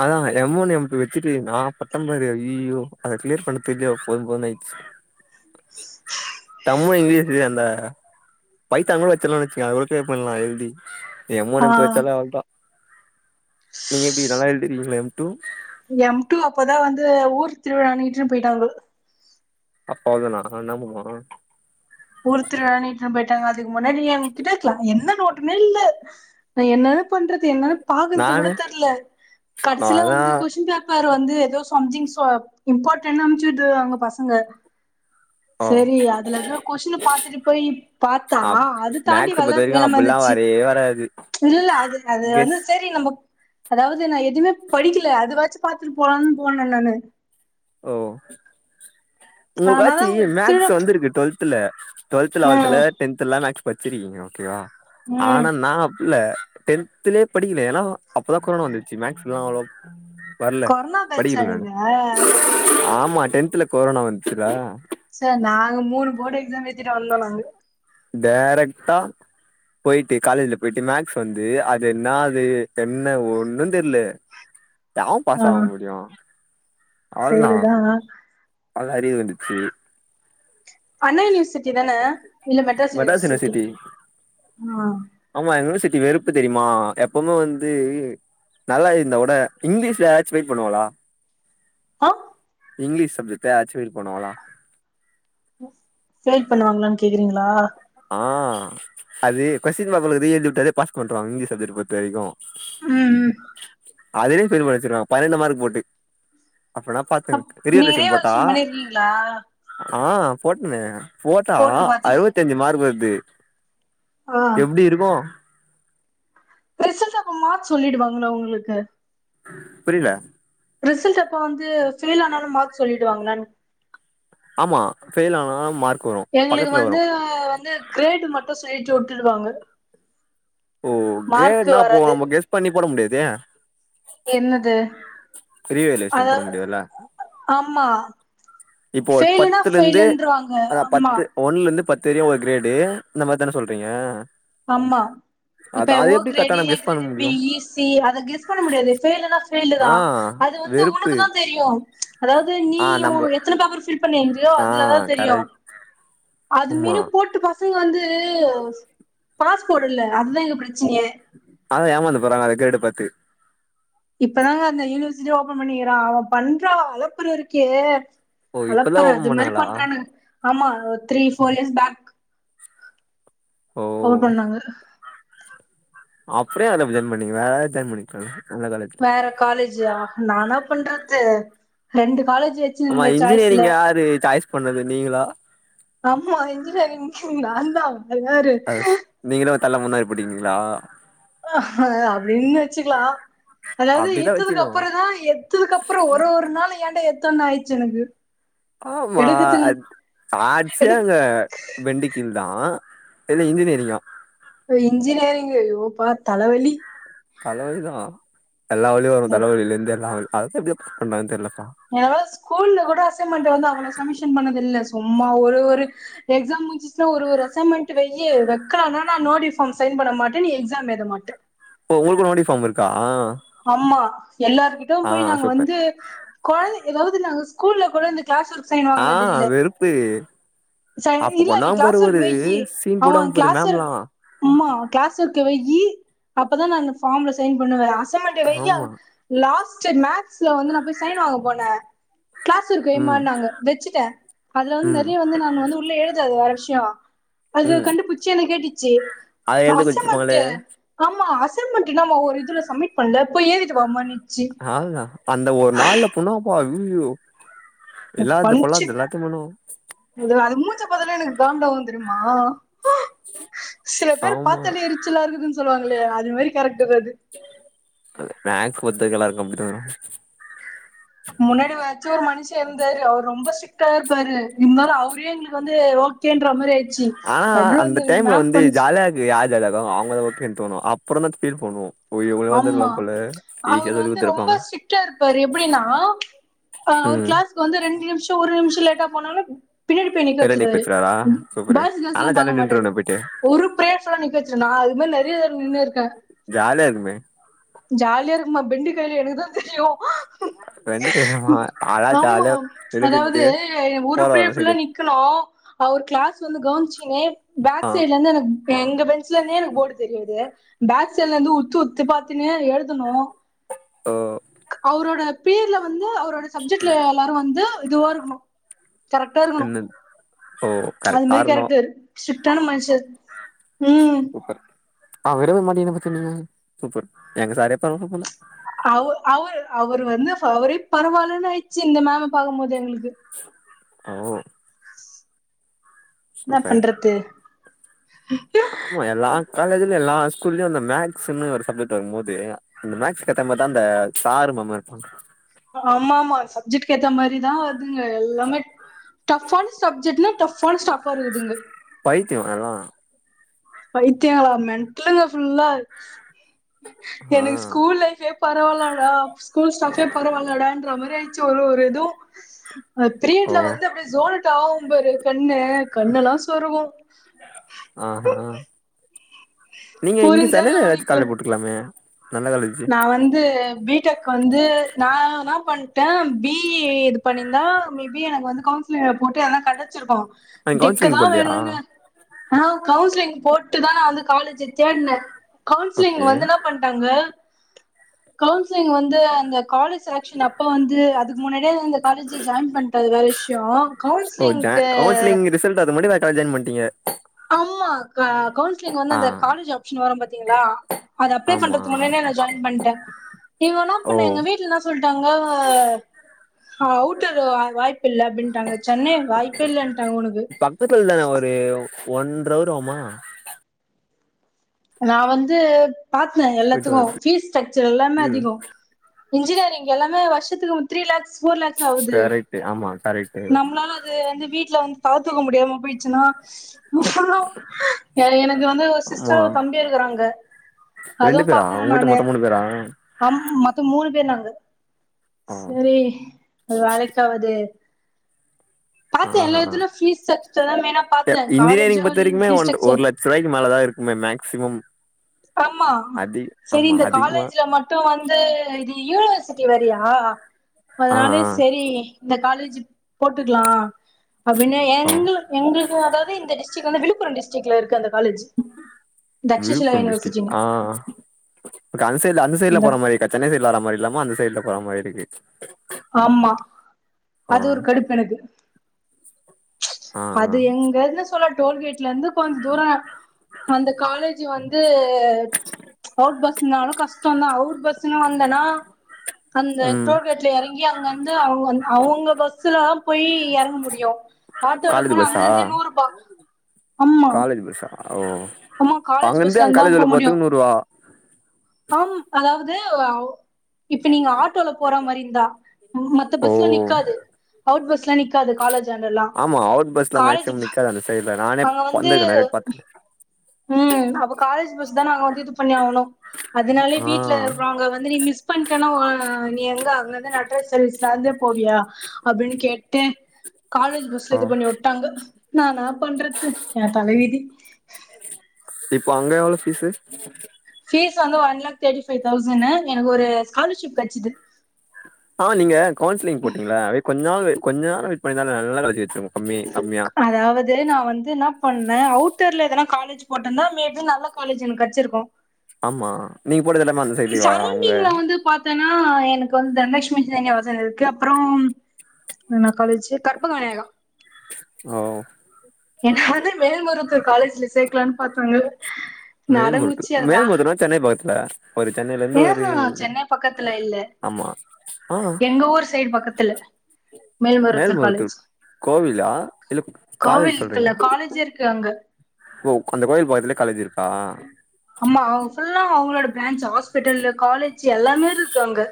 அதான்க எமோன்னுயம் டு வச்சுட்டு நா பட்டம் பாரு அய்யோ அத கிளியர் பண்ண தெரியல போதும் போதுனு ஆயிடுச்சு [unintelligible] தம்மு இங்கிலீஷ்ல அந்த பை தமிழ வச்சலாம்னு வச்சக்கோங்க அவங்களுக்கே பண்ணலா ஹெல்தி எம் ஆ ஓன் எம் டூ வச்சாலே அவ்ளதா நீங்க எப்டி நல்லா எழுதிக்கீங்ளா எம் டூ எம் டு அப்பதா வந்து ஊர் திருவிழான்னு இட்டுன்னு போயிட்டாங்க அப்பா தானா நம்ளாதான போனோ ஊர் திருவிழான்னு இட்டுன்னு போயிட்டாங்க இதுக்கு முன்னாடி நீ கிட்ட இருக்கலா என்ன ஒ ஓட்டுமே நில்லு இல்ல என்னதா பண்றது என்னன்ன பாக்குறது கூட நானு தெர்ல கடைசியில நாலா வந்து கொஸ்டின் பேப்பர் வந்து ஏதோ சம்திங் சோ இம்பார்டன் அமச்சி விட்டாங்க பசங்க ஓ செரி அதுல தா பாத்துட்டு போயி் பாத்தா அப் அது தாண்டி வெல்லம் வேற வந்துச்சு அது இல்ல இல்ல அது அது வந்து சேரி நம்ம அதாவது நா எதுவுமே படிக்கல அது வாச்சு பாத்துட்டு போலான்னு போனே நானு ஒ உங்க ஆனாலு காட்சி மேக்ஸ் திருழப் வந்துருக்கு டுவெல் த்துல டுவல்த்துல ம் [unintelligible] டென்த்லாம் மேக்ஸ் வச்சிருக்கீங்க ஓகேவா ம் ஆனா நான் அப்பல்ல டென்துலயே படிக்கல ஏல்லா அப்பதான் கொரோனா வந்துருச்சு மேக்ஸ்ல்லாம் அவ்ளவா கொரோனா பேச்சா நீங்க ஆமா டென்த்ல கொரோனா வந்துச்சுல சார் நாங்க மூணு போர்டு எக்ஸாம் ஏழிதிட்டு வந்தோம் நாங்க டைரக்ட்டா போயிட்டு காலேஜ்ல போயிட்டு மேக்ஸ் வந்து அது என்ன இது என்ன ஒன்னும் தெர்ல எவன் பாஸ் ஆவ முடியும் சேரிதான் அது அரியர் வந்துச்சு அண்ணா யூனிவர்சிட்டி தானே இல்ல மெட்ராஸ் யுனிவர்சிட்டி ஆ ஆமா எங்க யூனிவர்சிட்டி வெறுப்பு தெரியுமா எப்பவுமே வந்து நல்லா இந்தா கூட இங்கிலீஷ்ல யாராச்சும் வெயிட் பண்ணுவாங்கலா ஆ இங்கிலீஷ் சப்ஜெக்ட்ட அச்வில் பண்ணுவாங்களா செலக்ட் பண்ணுவாங்களான்னு கேக்குறீங்களா ஆ அது கொஸ்டின் பேப்பர்ல ரீ என்ட்ரிஎழு அதே பாஸ் பண்றவாங்க இங்கிலீஷ் சப்ஜெக்ட் பொருத்த வரைக்கும் ம் ம் அதுலயும் ஃபெயில் வச்சிருவாங்க பன்னிரெண்டு மார்க் போட்டு அப்பனா அ பாத்துங்க நீங்க ரியலேஷன் போட்டா ரீவால்யுவேஷன் பண்ணிருக்கீங்களா ஆ போட்னே போட்டா போட்டு பாத்தி அறுபத்தி அஞ்சு மார்க் வருது ஆ எப்டி இருக்கும் ப்ரெசென்ட் அப்ப மார்க்சொல்லிடுவாங்களா உங்களுக்கு புரியில ரிசல்ட் அப்ப வந்து ஃபெயில் ஆனாலும் மார்க் சொல்லிடு வாங்களான்னு ஆ ஃபெயில் ஆனாவுங்க மார்க் வரு எங்களுக்கு பக்கத்துல வரு வந்து வந்து கிரேட் மட்டும் சொல்லிட்டு வுட் டுவாங்க ஓ டே என்னா போ நம்ம கெஸ் பண்ணி போட முடியதே என்னது அத ரீவேல்யூஷன் போட முடியாதுல்ல ஆமா இப்போ ஃபெயிலுனா பத்துலந்து ஃபெயிலுன்றுவாங்க அத அம்மா பத்து ஒன் லந்து பத்து வரையு ஒரு கிரேடு இந்த மார் தான சொல்றீங்க ஆமா இப்ப அதா அது ஓ எப்டி கரெக்டா கிரேடு நம்ம ஏ கெஸ் பண்ண கிரேடு முடியு பியி சி அத கெஸ் பண்ண முடியாது ஃபெயிலுனா ஆ ஃபெயிலுதா அது வந்து வெறுப்பு உனக்கு தா தெரியு அதாவுது நீ ஆ உ நம்ம எத்தன பேப்பர் ஃபில் பண்ணிந்தியோ ஆ அதுலதா தெரியு கரெக்ட் அது ஆமா மேரி போட்டு பசங்க வந்து பாஸ்போட் இல்ல அதுதா இங்க பிரச் அதா ஏமாந்து போறாங்க அத கிரேடு பாத்து இப்பதாங்க அந்த யூனிவர்சிட்டி ஓபன் பண்ணிக்கிறா அவ பண்ற அலப்பற இருக்கே ஓ இப்பதா அலப்பற அது ஓப்பம் மாரி பண்ணாங்களா? பண்றானுங்க ஆமா த்ரீ ஃபோர் இயர்ஸ் பேக் ஓ [unintelligible] பண்ணாங்க அப்ற ஏ அதுல போய் ஜாயின் பண்ணிங்க வேற எதா ஜாயின் பண்ணிக்லால்ல வேற காலேஜுயா நானா பண்றது ரெண்டு காலேஜ் ஆமா வச்சிருந்த சாய்ஸ்ல இன்ஜினியரிங் யாரு சாய்ஸ் பண்ணது நீங்களா ஆமா இன்ஜினியரிங் நாந்தா வேறாரு தல்ல மண் அள்ளி போட்டுக்னீங்ளா ஆஹ்ஹ அப்டின் வச்சுக்லா அதாவுது அப்டிதா வச்சுக்கணு ஏத்ததுக்கப்புறொ தா எத்ததுக்கப்றொ ஒரு ஒரு நாள் ஏன்டா எ த்தோன் ஆயிட்ச்சு எனக்கு ஆமா எடுக்கதுக்கு அத் சான்ஸே எடு இல்ல மெடிக்கல் தா இல்ல இன்ஜினியரிங்கா ஓ இன்ஜினியரிங் அயோ அப்பா தலவலி தலவலிதா எல்லா வலி வரு தலவலில இந்து எல்லா வரு அது எப்டி பண்ணாங் தெரில நீ எவ்ளோ ஸ்கூல்ல கூட அசைன்மெண்ட் வந்து அவ்ளோ சமிஷன் பண்ணது இல்ல சும்மா ஒரு ஒரு எக்ஸா முடிஞ்சுச்சுன்னா ஒரு அசைன்மென்ட் வெய் வக்க நா நோட்டிஃபார்ம் சைன் பண்ண மாட்டே நீ எக்ஸாம் எத மாட்டே ஓ உங்களுக்கு னோடி ஃபார்ம் இருக்கா ஆமா எல்லாருகிட்டு ஆ போய் நாங்க சூப்பர் வந்து கொழந் ஏதாது இது நாங்க ஸ்கூல்ல கூடந் கிளாஸ் ஒர்க் சைன் ஆ வாங்கனது இல்ல வெறுப்பு சை அப்ப இல்ல பண்ணாங்க பாரு கிளாஸ் ஒர்க் ஒரு வெய்யி சீன் அவ போடுவாங்க பாரு கிளாஸ் மேம்லா ஒமா கிளாஸ் ஒர்க்க வெய்யி அப்பதா நா இந்த ஃபார்ம்ல சைன் பண்ணுவே ராஸ் ச மண்ட வையா ஆமா லாஸ்ட் செர் மேக்ஸ்ல வந்து நா போய் சைன் வாங்க போனே கிளாஸ் இருக்கு வைமா ம் நாங்க வச்சுட்டே அதுல வந்து ம் நெறைய வந்து நா வந்த உள்ள எழுதாது வர விஷ கியா அது ம் கண்டுபிச்சி என்ன கேட்டுச்சு அத எழுத அசமன்ட் குடுத்துருப்பாங்களே ஆமா அச அசமின்ட் இல்லாம ஒரு இதுல சமிட் பல்லப் போய் ஏறிட்டு வாமா நீ ஆள்னா அந்த ஒரு நாள்ல பொணா பா நில் யு ஒ பஞ்ச்சு அது மூச்ச பாத்தல்ல எனக்கு காண்டாவு தெரியுமா அ சில பேர் ஆமா பாத்தால எரிச்சலா இருக்குது சொ சொல்லுவங்களே அதுமரி கரெட் [unintelligible] ஒத்துகல்லா இருக்கு ப்ரோ முன்னாடி வச்சு ஒரு மனுஷ இருந்தாரு அவர் ரொம்ப ஸிக் த்தார்பாரு இம் முதலே அவரே எங்களுக் வந் வந்து ஓகேன்ற மாரி ஆயி ஆஆ அந்த டைம்ல வந்து ஜாலியாக்கு யார் தெலக அவங்கள ஓகேனு தோனு அப்பறம் தா ஃபீல் பண்ணுவோ ஓ இவங்களே ஆமா வந்திருக்கலா போல அவர் ஈஸியா சொல்லி வந்து ரொம்ப குடுத்துருப்பாங்க ஸ்ரிட்டா இருப்பரு எப்டின்னா அவர் ம் கிளாஸ்க் வந்து ரெண்டு நிமிஷ ஒரு நிமிஷ ஞ்ச லேட்டா போனாலு பின்னாடி போய் நிக்க பேர வச்சிருவாரு. வச்சுட்டாரா ம் சூப்பரு பாய்ஸ் கேர்ள்ஸ் நாலா எல்லா பாக்க ஜாலியா மாட்டாரு நின்றுவனே போயிட்டு ஒரு பிரேயர்ஸ் ஃபுல்லா நிக்க வச்சிரு நா அது மாரி நெறைய நின்னுருக்கே. ஜாலியா இருக்குமே ஜாலியா இரு க்குமா பெண்டு கழண்டது எனக்குதா தெரியு ரெண்டு கையுமா ம் ஆளா ஆமா ஜாலியா வெளிய அதாவது நின்னுட்டு ஒரு போற பிரேயர் வர ஃபுல்லா சைடு நிக்கணு அவர் கிளாஸ் வந்து கவுனிச்சுக்கினு ஆ பேக் சைட்ல இருந்து எனக் எங்க பெஞ்ச்ல இருந்தே எனக்கு போர்டு தெரியாது பேக் சைட்ல இருந்து உ த்து உத்து பாத்துனே எழுதணு ஓ அவரோட பேர்ல வந்து அவரோட சப்ஜெக்ட்ல எல்லாரு வந்து இதுவா இருக்கணு கரெக்டா இருக்கணு என்னது ஓ அது கரெக்டா மாரி இருக்கணு கேரக்டரு ஸ்ட்ரிக்ட்டான மனுஷ ம் சூப்பர் ஆ விடவே மாட்டீன்னு அப்ப சொன்னீங்க சூப்பர் எங்க சாரே பரவால்ல போல அவு அவுரு அவரு வந்து இப்ப அவரே பரவால்லன்னு ஆயிட்ச்சி இந்த மேம பாக்கும் போது எங்குளுக் கு ஓ [inaudible] என்னா சூப்பர் பண்றது? ஆமா எல்லா காலேஜு இது எல்லா ஸ்கூல்லயு அந்த மேக்ஸ்ன்னு ஒரு சப்ஜெக்ட் வரும்போது அந்த மேக்ஸ்க்கு ஏத்தா மாரிதா அந்த சாரு மேமு இருப்பாங்க ஆமா ஆமா சப்ஜெக்ட்டுக்கு ஏத்தா மாரிதா வருதுங்க எல்லாமே டஃப்பான சப்ஜெக்ட்னா டஃப்பான ஸ்டாஃபா இருக்குதுங்க பைத்தியோ எல்லா பைத்தியங்களா மென்டலுங்க ஃபுல்லா ஆ எனக்கு ஸ்கூல் லைஃபே பரவால்லடா ஸ்கூல் ஸ்டாஃபே பரவால்லடான்ற மாரி ஆயி ச்சு ஒரு ஒரு இது ஆ ஓ பிரியீட்ல வந்து அப்டியே [unintelligible] ஆவு ம் பாரு கண்ணு கண்ணெல்லா சொருவு ஆ ஹா நீங்க இங்க புரிஞ்சா சென்னைல ஏதாச்சு கால்ல கவனிக்கல போட்ருக்கலாமே நல்ல காலேஜ் நா வந்து பி டெக் வந்து நா என்னா பண்ட்டே பி இ இது பண்ணிருந்தா மேபி எனக்கு வந்து கவுன்சிலிங்ல போட்டு எதுனா கெடைச்சிருக்கு அங்க கவுன்சிலிங் டெக்குதா போட்லயா வேணுன்னு ஆ கவுன்சிலிங் போட்டுதா வந்து காலேஜு தேடுனே கவுன்சிலிங் ஓகே வந்து என்னா பண்ட்டாங்க கவுன்சிலிங் வந்து அந்த காலேஜ் செலக்ஷனு அப்ப வந்து அதுக்கு முன்னாடியே இந்த காலேஜு ஜாயின் பண்ட்டே அது வேற விஷ் யோ ஓ ஜா கவுன்சிலிங் ரிசல்ட்டு அதுக்கு முன்னாடியே இந்த காலேஜ் ஜாயின் பண்ட்டீங்க ஆமா க கவுன் சிலிங் வந்து ஆ அந்த காலேஜ் ஆப்ஷன் வரு பாத் த்தீங்களா அது அப்ளை ஆமா பண்றதுக்கு முன்னாடியே நா ஜாய்ன் பண்ட்டே இவுங்க என்னா ஓ பண்ண எங்க வீட்ல என்னா சொல்ட்டாங்க ஆ அவுட்டரு வா வாய் ப்பில்ல அப்டின்ட்டாங்க சென்னை அங்க வாய்ப்பு இல்லைன்ட்டாங்க உனக்கு ஒன்ர அவர் ஆவுமா? நா வந்து காட்ன போயிட்டு எல்லாத்துக்கு வரதுக்கு ஃபீஸ் ஸ்ட்ரக்ச்சர் எல்லாமே அதிகோ இன்ஜினியரிங் எல்லாமே வருஷத்துக்கு உனக்கு த்ரீ லாக்ஸ் ஃபோர் லாக்ஸ் ஆவுது கரெக்ட் ஆமா கரெக்ட் நம்மளால அது வந்து வீட்ல வந் பாத்துக்க முடியாம போயிட்ச்சுன்னா ஆ எனக்கு வந்து ஒரு சிஸ் ஆமா டர் ஒரு தம்பி இருக்கறாங்க ரெண்டு அதுவு பேரா பாக்கணு உங்க வீட்ல நானு மொத்தோ மூணு பேரா அம் மொத்தோ மூணு பேர் நாங்க ஆ செரி அது வேலைக்காவாது ஆ ஆ ஃபீஸ் ஸ்ட்ரக்சர் தா மெயினா அ பாத்தே காலேஜு இன்ஜினியரிங் பொறுத்த வரைக்குமே ஃபீஸ் ஒன் ஒரு ஸ்ட்ரக்சர் லட்ச ரூவாய்க்கு மேலதா இருக்குமே மேக்சிமம் ஆமா அதி செரி ஆமா இந்த அதிகமா காலேஜ்ல மட்டு வந்து இது யூனிவர்சி கீ வரியா ஆ அதுனாலே ஆ செரி இந்த காலேஜ் ஜிப் போட்டுக்குலா அப்பின்னா ஆ எங்களு எங்களுக்கு அதாவுது இந்த டிஸ் சி கொந்த விழுப்புரம் டிஸ்டிக்ல இருக்கு அந்த college Takshashila Villupuram universe district ஆ காஞ் அந்த சைய்டுல போற மாரி சென்னை சைய்டுல வர மாரி இல்லாம அந்த கேட்ட கொற மாரி இருக்கு ஆமா ஆ அது ஒரு கடுப் எனக்கு ஆ ஆ அது எங்கன்னு சொல்ல டோல்கேட்ல இருந்து கொஞ்ச தூரோ அந்த காலேஜு வந்து அவுட் பஸ்சு நாலும் கஷ்டந்தான் அவுட் பஸ்ன்னு வந்தனா அந்த ம் டோல்கேட்ல எறங் அங்க வந்து அவுங்க அவுங்க பஸ்ல போய் எறங்க முடியு ஆட்டோல காலேஜ் போனா பஸ்ஸா அங்கருந்தே நூறு ரூபா காலேஜ் பஸ்ஸா ஓ ஆமா காலேஜ் அங்கருந்து பஸ்ல அங் இருந்தா காலேஜ் உள்ள போறதுக்கு நூறுவா காம் அதாவுது இப்ப நீங்க ஆட்டோல போற மாரி இருந்தா மத்த ஓ பஸ்ல நிக்காது அவுட் பஸ்ல நிக்காது காலேஜாண்டலா ஆமா அவுட் பஸ்ல காலேஜ் மேக்சிமம் நிக்காது அந்த சைட்ல நானே அங்க வந்து வந்திருக்கே நெறைய பாத்துக்கேன் ம் அப்ப காலேஜ் பஸ்தா நாங்க இது பண்ணி ஆவனும் அதுனாலே பாத்துருக்கே ஆ வீட்ல இருவங்க வந்து நீ மிஸ் பண்ணிட்டனா ஒ நீ எங்க அங்கந்து நட ட சர்வீஸ் நடந்தே போவியா அப்டின் கேட்டு காலேஜ் பஸ்ல ஓ இது பண்ணி உட்டாங்க நானா பண்றது ஏ தலவிதி இப்போ அங்க எவ்ளோ பீஸ்சு ஃபீஸ் வந்து one lakh thirty five thousand எனக்கு ஒரு ஸ்காலர்ஷிப் கெட்ச்சிது இன்னா ஒரு கொஞ்ச நாளு வெயிட் பண்ணிருந்தா நல்ல காலேஜு கெட்ச்சிருக்கு அதாவது நா வந்து என்னா பண்ணே அவுட்டர்ல எதனா காலேஜ் போட்டன்னா மே பி நல்ல காலேஜ் எனக்கு கெட்ச்சிருக்கு ஆமா நீ போட்டதெல்லாமே அந்த சைடுலேயேவா உங்க ன்னா எனக்கு வந்து தனலட்சுமி சீனிவாசன் இருக்கு அப்றோ என்ன காலேஜு கற்பக விநாயகோ ஓ என்ன வந்து மேல்மருவத்தூர் காலேஜ்ல சேக்கலான்னு பாத்தாங்க மேல்மருவத்தூரு மேல்மருவத்தூர்னா சென்னை பக்கத்துல ஒரு சென்னையில இருந்து ஒரு ம்ஹூம் சென்னை பக்கத்துல இல்ல ஆமா ஆ எங்க ஊர் சைடு பக்கத்துல மேல்மருவத்தூர் காலேஜ் கோவிலா இல்ல காலேஜ் கோவில்க்கு இல்ல சொல்றீங்களா காலேஜு இருக்கு அங்க ஓ அந்த கோவில் பக்கத்துலயே காலேஜ் இருக்கா? ஆமா அவுங்க ஃபுல்லா அவுங்களோட பிரான்ச் ஹாஸ்பிட்டலு காலேஜு எல்லாமே இருக்கு அங்க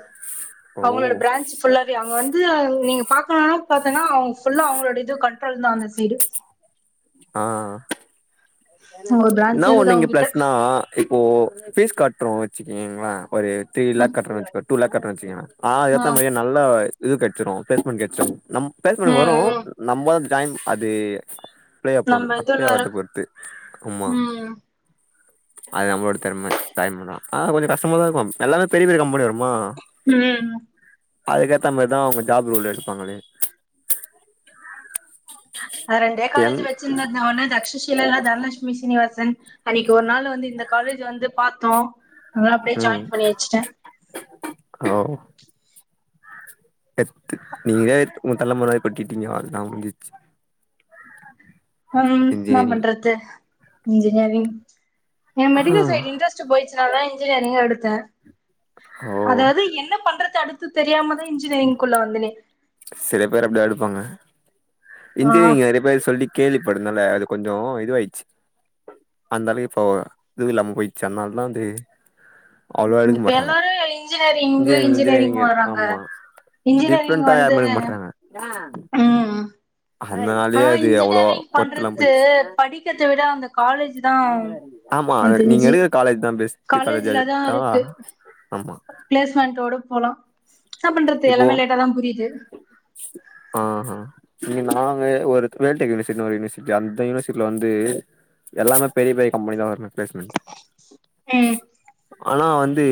ஓ அவுங்களோட பிரான்ச் ஃபுல்லாவே அங்க வந் து அத நீங்க பாக்கணுன்னா பாத்தன்னா அவுங் ஃபுல்லா அவங்களோட இது கண் ட்ரோல்தா அந்த சைடு ஆ ஒரு என்னா பிரான்ச் ஒன்னு இருக்குது இங்க அவங்க கிட்ட பிளஸ்னா இப்போ ஃபீஸ் கட்றோ வச்சுக்கீங்களே ஒரு த்ரீ ம் லேக் கட்றோ வெச்சுக்வோ டூ லேக் கட்றோ வெச்சுக்கங்களே ஆ ஏத்தா ம் மாரியே நல்ல இது கெட் ச்சுரு பிளேஸ்மெண்ட் கெட்ச்சுரு நம் பிளேஸ்மெண்ட் வரு ம் ம். நம்ம அத் ஜாய்ன் அது அப்ளை போட்ற நம்ம அப்ளை இதுல ஆவறத பொறுத்து ஆமா ம் அது நம்மளோட திறம ஜாய்ன் பண்ணா ஆனா கொஞ்ச கஷ்டமாதா இருக்கு எல்லாமே பெரிய பெரிய கம்பெனி வரு ம் அதுக்கேத்தா மாரிதா அவங்க ஜாப் ரோல் எடுப்பாங்களே நா ரெண்டே என் காலேஜ் வச்சிருந்ததுல ஒன்னு தக்சசீல இல்ல தனலட்சுமி சீனிவாசன் அன்னக்கி ஒரு நாள் வந்து இந்த காலேஜு வந்து பாத்தோ அதனால அப்டியே ம் ஜாயின் பண்ணி வச்சிட்டே எட்த்து நீங்களே உங்க தலல மண்ண வாரி கொட்டிட்டீங்க அவ்ளதா முட்ஞ்சிச்சி அம் என்னா பண்றது இன்ஜினியரிங் எனக்கு மெடிக்கல் சைடு ஆ இ்ன்ட்ரஸ்ட்டு போயிட்ச்சு னாலதா இன்ஜினியரிங்கே எடுத்த ஓ அதாவது என்ன பண்றது அடுத் து தெரியாமதா இன்ஜினியரிங்க்குள்ள வந்தனே சில பேர் அப்டியா எடுப்பாங்க ஆ இன்ஜினியரிங் நெறைய பேர் சொல்லி கேள்விப்படுனால அது கொஞ்சோ இதுவாயிட்ச்சு அந்த அளவுக்கு இப்போ இதுவு இல்லாம போயிட்ச்சு அதனாலதா அது அவ்ளோவா ம் எடுக்க இப்ப மாட்றாங்க எல்லாரு இன்ஜினியரிங் இன்ஜினியரிங் இன்ஜினியரிங்னு வராங்க இன்ஜினியரிங் டிஃப்ரெண்டா வந்து யாரும் எடுக்க மாட்றாங்க ம் அதனாலயே ஆனா அது அவ்ளோ இன்ஜினியரிங் ஒர்த்தெல்லாம் பண்றது போயிடுச்சு படிக்கறத விட அந்த காலேஜ் தா ஆமா எனக்கு நீங்க தெரிஞ்சு எடுக்கிற காலேஜ்தா பெஸ்ட்டு காலேஜா காலேஜ்ல தா எட்த்தா இருக்கு ஆமா பிளேஸ்மெண்டோட போலா என்னா பண்றது இப்போ எல்லாமே லேட்டாதா புரியுது ஆ ஹா இங்க நாங்க ஒரு வேல்டெக் யுனிவர்சிட்டினு ஒரு யுனிவர்சிட்டி அந்த யுனிவர்சிட்டில வந்து எல்லாமே பெரிய பெரிய கம்பெனிதா வரது பிளேஸ்மெண்ட்டு ம் ஆனா வந்து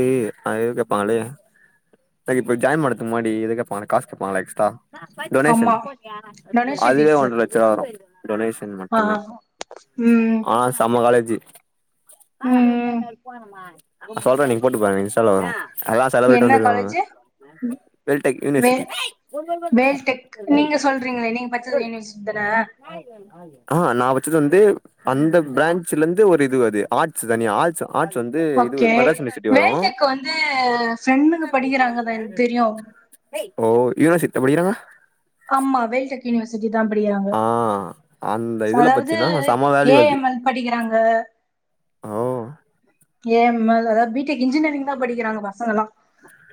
ஆ இது கேப்பாங்களே ஆ இப்ப ஜாயின் பண்ற துக்கு முன்னாடி இது கேப்பாங்களே காசு கேப்பாங்களே எக்ஸ்ட்ரா டொனேஷன் ஆமா டொனேஷன் அதுவே ஃபீஸு ஒன்ர லட்ச ரூவா வரு டொனேஷன் ஆ மட்டுமே ம் ஆனா செம காலேஜு ம் சொல்றே நீங்க போட்டு பாருங்க எவ்ளோ வரு அதாலா செலபிரட்டி என்ன வந்திருக்காங்கங்க காலேஜு டேக் வே யூனிவர்சிட்டி வேல்டெக் நீங்க சொல்றீங்களே நீங்க படிச்சது யூனிவர்சிட்டி தான ஆ நா நா வச்சது வந்து அந்த பிரான்சல இருந்து ஒரு இது வருது ஆர்ஸ் தனிய ஆல்ஸ் ஓகே வேல்டெக் வந்து ஃபிரண்ட்டுங்க படிக்கிறாங்கதா என தெரியு ஓ யூனிவர்சி இன்னா படிகிறாங்க ஆமா வேல்டெக் யூனிவர்சி தா படிகிறாங்க ஆ அந்த ச இதுல அதாவது பச்சீன்னா செம வேல்யூ அது ஏஎம்எல் படிக்கிறாங்க ஓ ஏ அதா பிடெக் இன்ஜினியரிங்தா படிக்கிறாங்க பசங்கல்லா ஆஹ